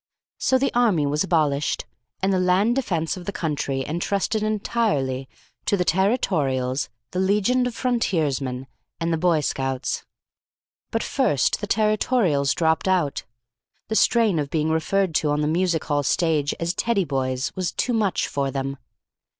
So the army was abolished, and the land defence of the country entrusted entirely to the Territorials, the Legion of Frontiersmen, and the Boy Scouts. But first the Territorials dropped out. The strain of being referred to on the music hall stage as Teddy boys was too much for them.